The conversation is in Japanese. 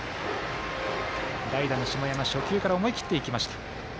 代打の下山初球から思い切っていきました。